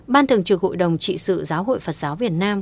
ban thường trực hội đồng trị sự giáo hội phật giáo việt nam